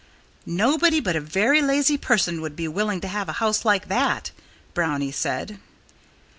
"Nobody but a very lazy person would be willing to have a house like that," Brownie said.